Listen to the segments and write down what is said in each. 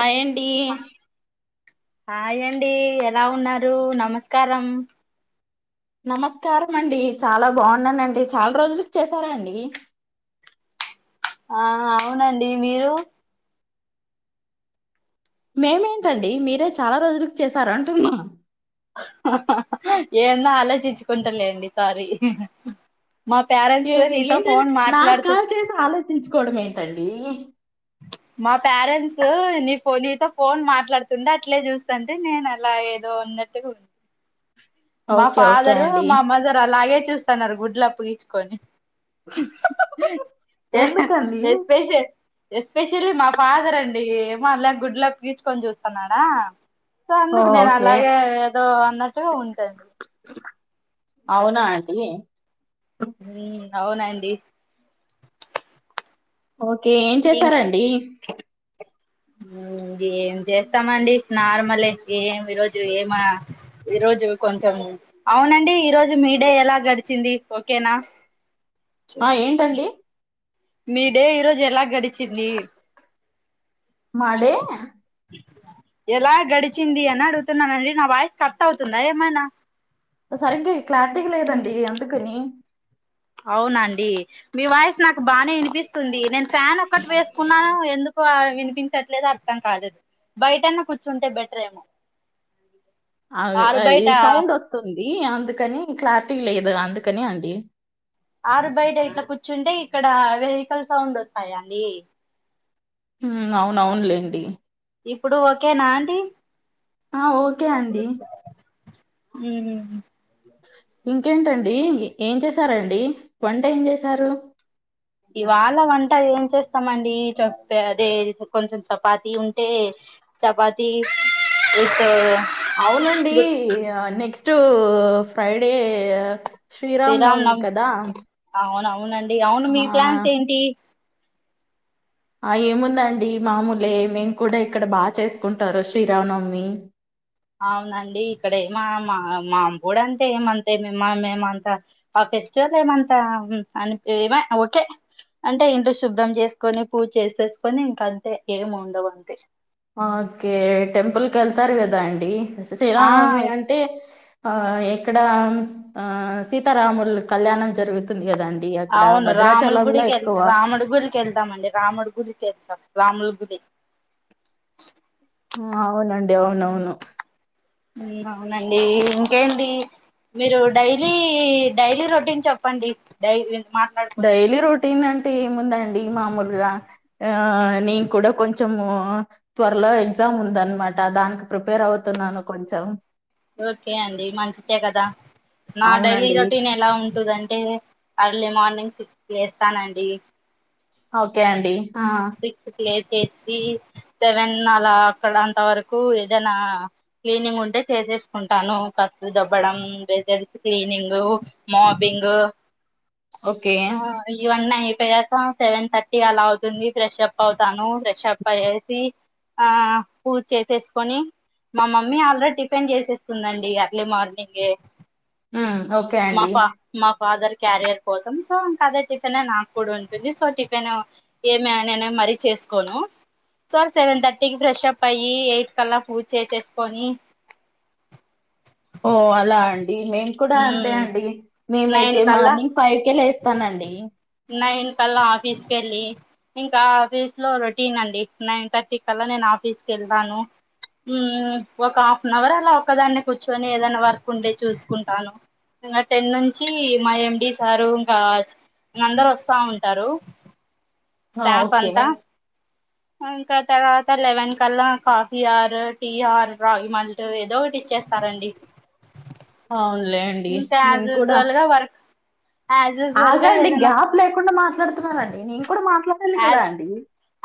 ఆ అండి హాయండి ఎలా ఉన్నారు నమస్కారం నమస్కారం అండి చాలా బాగున్నానండి చాలా రోజులకి చేసారా అండి [inaudible] ఆ అవునండి మీరు మేమేంటండి మీరే చాలా రోజుకి చేసారంటున్నా ఏన్నో ఆలోచించుకుంటాలేండి సారీ మా పేరెంట్స్ ఏమి నీతో ఏంటని ఫోన్ నాకు మాట్లాడుతు కాల్ చేసి ఆలోచించుకోవడం ఏంటండి మా పేరెంట్స్ నీ నీతో ఫోన్ మాట్లాడుతుండే అట్లే చూస్తే నేను అలా ఏదో వన్నట కు మా ఓకే ఓకే ఫాదరు అండి మా మదర్ అలాగే చూస్తన్నారు గుడ్లుప్పగించుకొని ఎందుకండి స్పేషల్ ఎస్పెషలీ మా ఫాదర్ అండి ఏమో అలా గుడ్లా పీచుకొని చూస్తున్నాడా ఓ, ఓకే అలాగే ఏదో అన్నట్టుగా ఉంటాంది అవునా ఆంటీ హ అవునండి ఓకే ఏం ఇంక్ చేసారంండి ఏం చేస్తామండి నార్మలే ఏమి ఈ రజు ఏం ఈ రోజు కొంచెం అవునండి ఈరోోజు మీ డే ఎలా గడిచింది ఓకేనా ఆ ఏంటండి మీ డే ఈరోోజు ఎలా గడిచింది మడే ఎలా గడిచింది అని అడుగుతున్నానండి నా వాయిస్ కట్ అవుతుందా ఏమైనా సరిగ్ క్లారిటీ లేదండి అందుకని అవునండి మీ వాయస్ నాకు బానే వినిపిస్తుంది నేను ఫ్యాన్ ఒక్కటి వేసుకున్నాను ఎందుకు వినిపించట్లేదు అర్థం కదేదు బయటన్నా కూర్చుంటే బెటర్ ఏమో అ ఆరు అది బయట సౌండ్ వస్తుంది ఇది అందుకని క్లారిటీ లేదు అందుకని అండి ఆరు బయట కుర్చీట కూర్చుంటే ఇక్కడ వెహికల్ సౌండ్ వస్తాయాడి అవున అవునులేండి ఇప్పుడు ఒకనా అండి ఆ ఓకే అండి ఉమా ఇంకేంటండి ఏం చేసారంండి వంట ఏం చేసారు ఇవాళ వంట ఏం చేస్తామండి అదే కొంచెం చపాతి ఉంటే చపాతిీ విత్ అవునండి గుత్ నెక్స్ట్ ఫ్రైడే శ్రీరామ్ నవమి కదా అవును అవునండి అవును మీ ఆ ప్లాన్స్ ఏంటి ఆ ఏముందండి మామూలే మేము కూడా ఇక్కడ బాగా చేసుకుంటారు శ్రీరామనవమి అవునండి ఇక్కడ ఏమ మా మా అంమడు అంటే ఏమంతే మమ్మ మేమంతా ఫెస్టివల్ ఏమంతా అనిపివా ఓకే అంటే ఇంట్లో శుభ్రం చేసుకొని పూజ చేసేసుకొని ఇంకంతే ఏమి ఉండవు అంతే ఓకే టెంపుల్కి వెళ్తారు కదా అండి ఆ శ్రీరామనవమి అంటే ఆ ఇక్కడ ఆ సీతారాములు కళ్యాణం జరుగుతుంది కదా అండి అవును రాముల గుడికిె రాముడు గురికి వెళ్తాంమండి రాముడి గుడికి వెళ్తాం రాముల గుడి అవునండి అవునవును అవునండి ఇంకేంటి మీరు డైలీ డైలీ రొటీన్ చెప్పండి డై డైలీ రొటీన్ అంటే ఏందండి మాలుగా నేను కూడా కొంచ త్వరలో ఎ ఎగ్జామ్ ఉందనమాట దానికి ప్రిపేర్ అవుతున్నాను కొంచెం ఓకే అండి మంచిదే కదా నా డైలీ అవునండి రొటీన్ ఎలా ఉంటుందింటే అర్లీ మార్నింగ్ సిక్స్ కి లేస్తానండి, ఓకే అండి ఆ సిక్స్ లేచేచి సవెన్ అలా అక్కడ అంత వరకు ఏదైనా క్లీనింగ్ ఉంటే చేసేసుకుంటాను, దబ్బడం బెడ్ క్నింగ్ మాఫింగ్ ఓకే ఆ ఇవన్న అయిపోయాక సెవెన్ థర్టీ అలా అవుతుంది. ర్రెషప్ప అవుతాను ర్రెషప్ప అయేసి ఆ పూజ చేసేసుకొని, మా మమ్మీ ఆల్రెడీ టిఫిన్ చేసేస్తుందండి అర్లీ మార్నింగే ఉమ్ ఓకే మా అండి ఫ మా ఫాదర్ క్యారియర్ కోసం సో ఇంకా అదే టిఫిన్ నాకు కూడా ఉంటుంది. సో టిఫిన్ ఏమ నేనే మరీ చేసుకోను సార్ సెవెన్ థర్టీకి ఫ్రెష్ అప్ అయ్యి ఎయిట్ కలా పూజ చేసేసుకొని [unintelligible] ఓ అలా అండి మేము కూడా అంతే ఉమ్ అండి మేమైతే నైన్ కల్లా మార్నింగ్ ఫైవ్ లేస్తానండి, నైన్ కల్లా ఆఫీస్ కెళ్ళి ఇంకా ఆఫీస్ లో రొటీన్ అండి నైన్ థర్టీ కల్లా నేను ఆఫీస్ కళ్ళి వెళ్తాను ఒక హాఫ్ అన్ అవర్ అలా ఒక్కదాన్ని కూర్చొని ఏదనా వర్క్ ఉంటే చూసుకుంటాను. ఇంకా టెన్ నుంచి మా ఎండి సారు రాజ్ అందరు వస్తా ఉంటారు. హ స్టాఫ్ ఓకే అంతా ఇంకా తర్వాత లెవెన్ కల్లా కాఫీ ఆర్ టీ ఆర్ రాగి మాల్ట్ ఏదో ఒకటి ఇచ్చేస్త సరండి అవునులే అండి మేం యాజ్ కూడా యూజువల్ గా వర్క్ యాజ్ ఆ యూజువల్ గా గాండి ఏదైనా గ్యాప్ లేకుండా మాట్లాడుతున్నానండి నేను కూడా మాట్లాడ యాజ్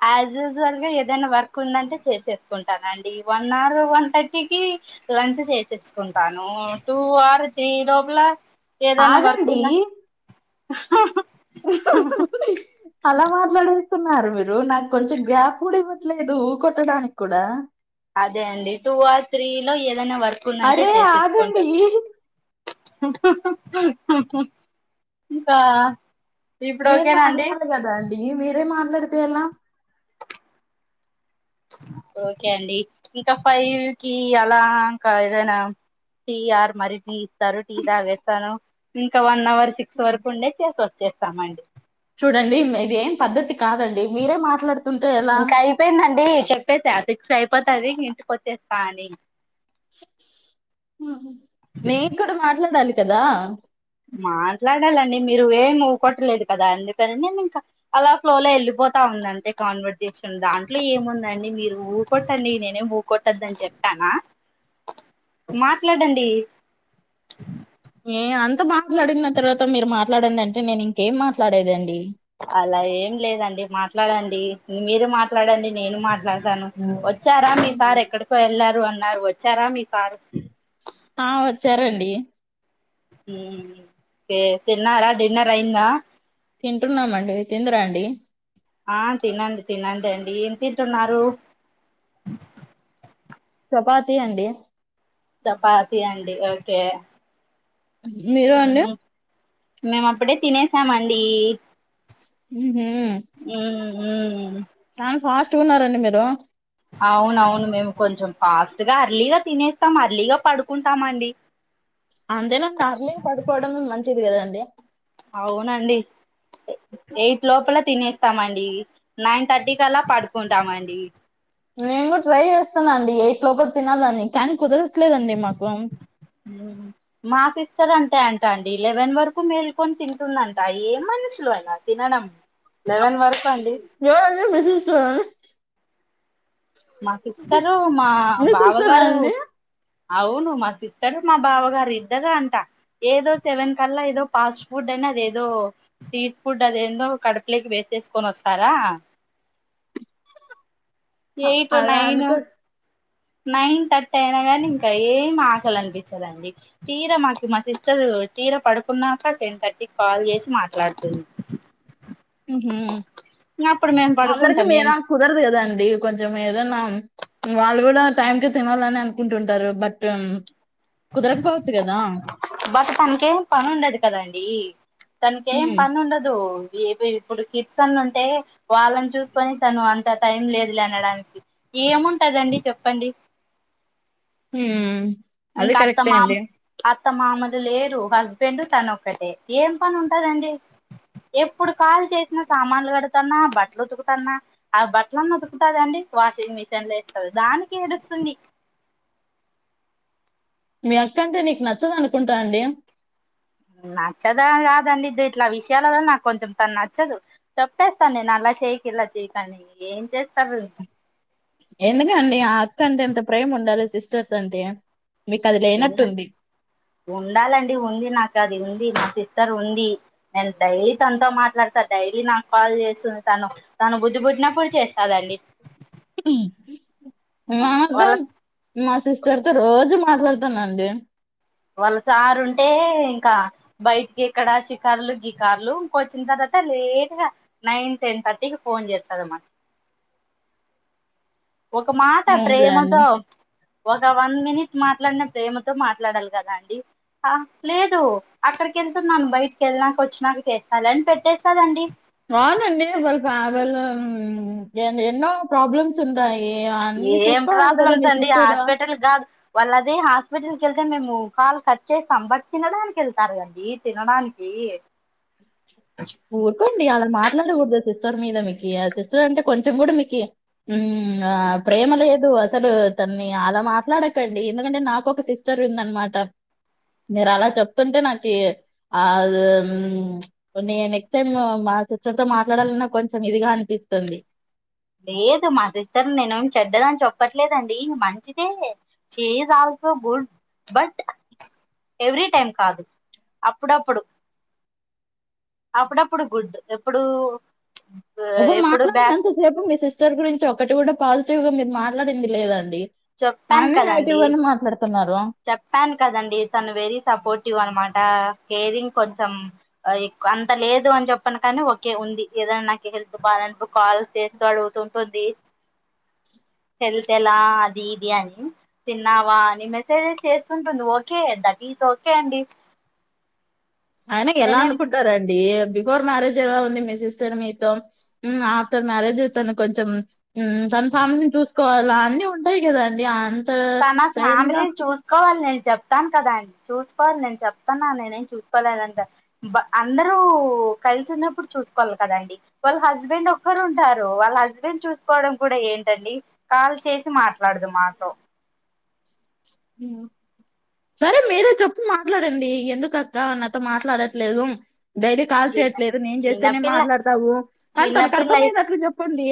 యాజ్ యూజువల్ గా ఏదైనా వర్క్ ఉందంటే చేసే ఉంటానుండి వన్ అవర్ వన్ థర్టీ క మంచి చేసిచ్చుకుంటాను టూ అవర్ ఈ లోపల ఏదైనా వర్క్ ఆగండి ఉన్న అలా మాట్లాడు స్తున్నారు మీరు నాకు కొంచెం గ్యాప్ కూడ ఇవ్వట్లేదు ఊ కొొట్టడానికి కూడా అదే అండి టూ ఆర్ త్రీ లో ఏదైనా వర్క్ ఉందంటే అరే ఆగండి చేసిచ్చుకుంటారు. ఇంకా ఇప్పుడు నేను ఓకేనా అండి మాట్లాడాలి కదా అండి మీరే మాట్లాడితే ఎలా ఓకే అండి ఇంకా ఫైవ్ కి అలా ఇంకా ఏదనా టీ ఆర్ మర టీ ఇస్తారు టీ తాగేస్తాను ఇంకా వన్ అవర్ సిక్స్ వరకు ఉండే చేసి వచ్చే వచ్చేస్తామండి, చూడండి ఇది ఏం పద్ద్దతి కాదండి మీరే మాట్లాడు ఇంకా అయిపోయిందా నీ చెప్పేసా సిక్స్ అయిపోతంది ఇంటికి వచ్చేస్తా అని మీరు కూడా మాట్లాడాలి కదా మాట్లాడాలండి మీరు ఏమి ఊ కొట్టలేదు కదా అందుకని నేను ఇంకా అలా ఫ్లో లో వెళ్ళిపో పోతా ఉందింతే కన్వర్జేషన్ దాంట్లో ఏముందండి మీరు ఊకొట్టండి నేనే కొట్టద్దని చెప్పానా మాట్లాడండి ఏ అంత మాట్లాడిన తర్వాత మీరు మాట్లాడండి అంటే నేను ఇంకేం మాట్లాడేదండి అలా ఏం లేదండి మాట్లాడండి మీరు మాట్లాడండి నేను మాట్లాడ తను వచ్చారా మీ సార్ ఎక్కడికో వెళ్ళారు అన్నారు వచ్చారా మీ సార్ ఆ వచ్చారండి కే తిన్నారా డిన్నర్ అయిందా తింటున్నామండి మీరు తిందురాండి ఆ తినండి తినండి ఏం తింటున్నారు చపాతి అండి చపాతి అండి ఓకే మీరు అండి మేము అప్పుడే తినేసామండి హు మ్మ్ హ్మ్ చానా ఫాస్ట్ గా ఉన్నారండి మీరు అవునవును మేము కొంచెం ఫాస్ట్గా అర్లీగా తినేస్తాం అర్లీగా పడుకుంటామ అండి అంతేనండి అర్లీగా పడుకోవడంమే మంచిది కదండి అవునండి ఎయిట్ లోపల తినేస్తామండి నైన్ థర్టీ కల్ల పడుకుంటామండి నేను కూడా ట్రై చేస్తాను అండి యైట్ లోపల తినాలనీ కానీ కుదరదు కుదరట్లేదండి మాకు అదంతే అంట అండి లెవెన్ వరకు మేల్కొని తింటుందంట ఏ మనుషులు అలా తినడం లైవెన్ వరకు అండి ఎవరది వేసేస్తున్నవా మా సిస్టరూ మా మీ సిస్టరా బావగారు అండి అవును మా సిస్టర్ మా బావ గారు ఇద్దరే అంట ఏదో సెవెన్ కి కల్లా ఏదో ఫాస్ట్ ఫుడ్ అని అదేదో స్ట్రీట్ ఫుడ్ అదేదో కడుపులోకి వేసేసుకొని వస్తారా ఏయిట్ అలా నైన్ అనుకో నైన్ థర్టీ అయినా కానీ ఇంకా ఏమి ఆకలి అనిపించదండి తీర మాకి మా సిస్టర్ తీర పడుకున్నాక టెన్ థర్టీ కాల్ చేసి మాట్లాడుతుంది అప్పుడు మేము హు అందరికిీ పడుకుంటాం మీల ఏం గా కుదరదు కదా అండి కొంచెం ఏదన్నా వాళ్ళు కూడా టైం కి తినాలని అనుకుంటుంటారు బట్ కుదరకపోవచ్చు కదా బట్ తనకేం పని ఉండదు కదండి తనకేం ఉమ్ పని ఉండదు ఏ ఇప్పుడు కిడ్స్ అన్న ఉంటే వాళ్ళని చూసుకొని తను అంత టైం లేదు లే అనడానికి ఏముంటదండి చెప్పండి హు ఇంకా అత్త మాం అత్త మామను లేరు హస్బెండ్ తను ఒక్కటే ఏం పని ఉంటదండి ఎప్పుడు కాల్ చేసిన సామాన్లు కడుతంన్నా బట్ట బట్టలు ఉతుకుతన్నా ఆ బట్టలలను ఉతుకుతదండి వాషింగ్ మిషన్ లో ఏస్తంది దానికి ఏడుస్తుంది మీ అక్కంటే నీకు నచ్చదు అనుకుంటా అండి నచ్చద కాదండి ఇట్లా విషయాలలో నాకు కొంచెం తను నచ్చదు తప్పేస్తాను నేను అ అలా చేయ్యకి ఇలా చేయ్యకనీ ఏం చేస్తారు ఎందుకండి ఆ అక్క అంటే ఎంత ప్రేమ ఉండాలి సిస్టర్స్ అంటే మీకు అది ఉండా లేనట్టుంది ఉండాలండి ఉంది నాకు అది దీ సిస్టర్ ఉంది నేను డైలీ తనతో మాట్లాడతా డైలీ నాకు కాల్ చేస్తుంది తను తాను బుద్ధి పుట్టినప్పుడు చేస్తాదండి వాళ్ళ మార్ధాం సిస్టర్ తో రోజు మ మాట్లాడుతానండి వాళ్ళ సారు ఉంటే ఇంకా బయటికి ఎక్కడ షికారులు గికార్లు వచ్చిన తర్వాత లేట్ గా నైన్ టెన్ థర్టీ కి ఫోన్ చేస్తదన్నమాట ఒక మాట అవునులేండి ప్రేమతో ఒక వన్ మినిట్ మాట్లాడిన ప్రేమతో మాట్లాడాలి కదా అండి లేదు అక్కడికి వెళ్తున్నాను బయటికి వెళ్ళినాక వచ్చినాక చేస్తా అని పెట్టేస్తాదండి ఆవునండి వాళ్లు ఎన్నో ప్రాబ్లమ్స్ ఉంటయి ఏం ప్రాబ్లమ్స్ అండి హాస్పిటల్ కాదు వాళ్ళది హాస్పిటల్ ఎల్ అయితే మేము కాల్ కట్ చేస్తాం బట్ తినడానికి వెళ్తారు అండి తినడానికి ఊరుకోండి అలా మాట్లాడకూడదు సిస్టర్ మీద మీకి ఆ సిస్టర్ అంటే కొంచెం కూడా మీకి ప్రేమ లేదు అసలు తన్ని అలా మాట్లాడకండి ఎందుకంటే నాక ఒక సిస్టర్ అన్నమాట మీరు అలా చెప్తుంటే నాకి ఆ నే నెక్స్ట్ టైమ్ మా సిస్టర్ తో మాట్లాడాలన్నా కొంచెం ఇదిగా అనిపిస్తుంది లేదు మా సిస్టర్ ని నేనేం చెడ్డదని చెప్పట్లేదండి మంచిదే చేదా గుడ్ బట్ ఎవ్రీ టైం కాదు అప్పుడప్పుడు అప్పుడప్పుడు గుడ్ ఎప్పుడు ఇప్పుడు ఎప్పుడు బ్యాడ్ మాట్లాడినంత సేపు మీ సిస్టర్ గురించి ఒకటి కూడా పాజిటివ్ గా మీరు మాట్లాడింది లేదాండి చెప్పాను ఆమె నెగిటివ్ కదండి అని మాట్లాడుతున్నారు చెప్పాను కదండి తను వెరీ సపోర్టివ్ అన్నమా కేరింగ్ కొంచెం ఎక్ అంత లేదు అని చెప్పను కానీ ఓకే ఉంది ఏదన్నా నాకు హెల్త్ బాలేనప్పుడు కాల్ చేస్తూ అడుగుతుంటుంది హెల్త్ ఎలా అది ఇది అని తిన్నావా అని చేస్తుంటుంది ఓకే దట్ ఇస్ ఓకే అండి ఆయనకి ఎలా నేనేం అనుకుంటారండి బిఫోర్ మ్యారేజ్ ఎలా ఉంది మీ సిస్టర్ మీతో ఆఫ్టర్ మ్యారేజ్ తను కొంచెం తన ఫ్యామిలీని చూసుకోవాల అన్నీ ఉంటాయి కదాండి తన ఫ్యామిలీనీ చూసుకోవాలే చెప్తాను కదా అండి చూసుకోవాలి నేను చెప్తున్నా నేనేం చూసుకోలేదంట అందరూ కలిసి ఉన్నప్పుడు చూసుకోవాలి కదండి వాళ్ళ హస్బెండ్ ఒక్కరు ఉంటారు వాళ్ళ హస్బెండ్ చూసుకోవడం కూడా ఏంటండి కాల్ చేసి మాట్లాడదు మాతో ఉ సరే మీరే చెప్పు మాట్లాడండి ఎందుకక్క నాతో మాట్లాడట్లేదు డైలీ కాల్ చిన్న చేయట్లేదు నేన్ చేస్తేనే చిన్నపిల్ల మాట్లాడతావు అనీ తనకు చిన్నపిల్ల అర్థమయ్యేటట్లు చెప్పండి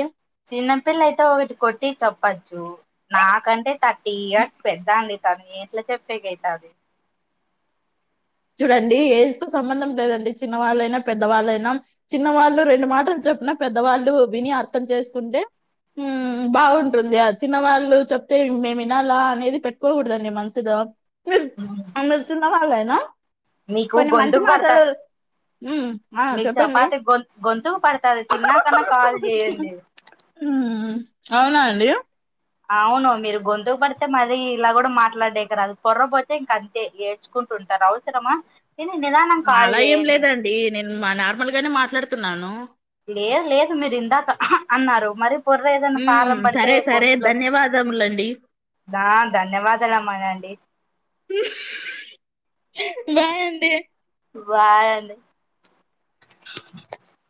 చిన్నపిల్ల అయితే ఒకటి కొట్టి చెప్పచ్చు నాకంటే థర్టీ ఇయర్స్ పెద్ద అండి తను ఎట్లా చెప్పేకైతాంది చూడండి ఏజ్ తో సంబంధం లేదండి చిన్నవాళ్ళైనా పెద్దవాళ్ళైనా చిన్నవాళ్ళు రెండు మాటలు చెప్పిన పెద్దవాళ్ళు విని అర్థం చేసుకుంటే బాగుంటుంది ఆ చిన్నవాళ్లు చెప్తే మేము వినాలా అనేది పెట్టుకోకూడదండి మనసులో మీర్ ఆ మీరు చిన్నవాళ్లేనా మీకు గొంతుకు పడతా ఉమ్ ఆ మీకు చెప్పండి చపాతి గొం గొంతుకు పడతది తిన్నాకన్నా కాల్ చేయండి అవునా అండి అవును మీరు గొంతుకు పడితే మర ఇలా కూడా మాట్లాడే కదు కుర్రపోతే ఇంక అంతే ఏడ్చుకుంటు టుంటారు అవసరమా నేను నిదానం కాల్ అలా ఏం చేయండి లేదండి నేను నార్మల్ గానే మాట్లాడుతున్నాను లే లేదు మీరు ఇందాక హా అన్నారు మరి కుర్ర ఏదనా మ్మ్ కారం పడితే సరే సరే గొంతులో ధన్యవాదములండి దా ధన్యవాదాలమ్మా అండి బాయ్ అండి బాయ్ అండి అ